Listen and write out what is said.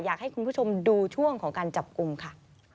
อยากให้คุณผู้ชมดูช่วงของการจับกลุ่มค่ะ